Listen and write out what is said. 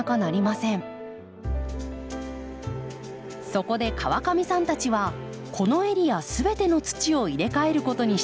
そこで川上さんたちはこのエリアすべての土を入れ替えることにしたのです。